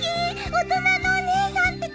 大人のお姉さんって感じ。